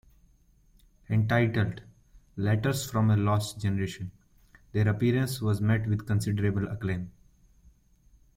Entitled "Letters from a Lost Generation", their appearance was met with considerable acclaim.